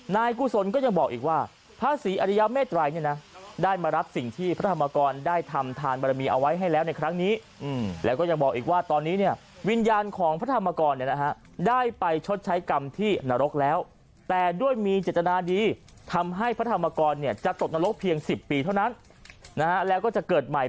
นายกุศลก็ยังบอกอีกว่าพระศรีอริยเมตรัยเนี่ยนะได้มารับสิ่งที่พระธรรมกรได้ทำทานบารมีเอาไว้ให้แล้วในครั้งนี้แล้วก็ยังบอกอีกว่าตอนนี้เนี่ยวิญญาณของพระธรรมกรเนี่ยนะฮะได้ไปชดใช้กรรมที่นรกแล้วแต่ด้วยมีเจตนาดีทำให้พระธรรมกรเนี่ยจะตกนรกเพียง๑๐ปีเท่านั้นนะฮะแล้วก็จะเกิดใหม่